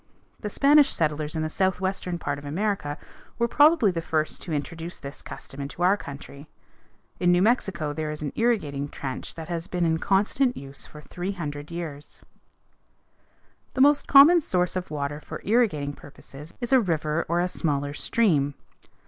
The Spanish settlers in the southwestern part of America were probably the first to introduce this custom into our country. In New Mexico there is an irrigating trench that has been in constant use for three hundred years. [Illustration: FIG. 286. PUMPING WATER FOR IRRIGATION] The most common source of water for irrigating purposes is a river or a smaller stream.